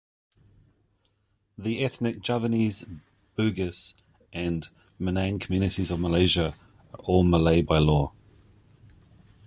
The ethnic Javanese, Bugis and Minang communities of Malaysia are all "Malay" by law.